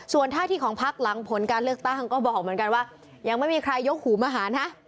ส่วนท่าที่ของพักหลังผลการเลือกตั้งก็บอกเหมือนกันว่ายังไม่มีใครยกหูมาหานะ